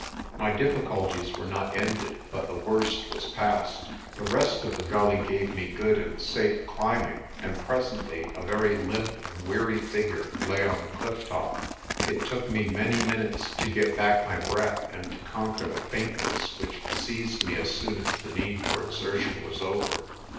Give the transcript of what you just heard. My difficulties were not ended, but the worst was past. The rest of the gully gave me good and safe climbing, and presently a very limp and weary figure lay on the cliff top. It took me many minutes to get back my breath and to con quer the faintness which seized me as soon as the need for exertion was over.